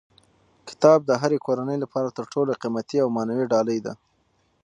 کتاب د هرې کورنۍ لپاره تر ټولو قیمتي او معنوي ډالۍ ده.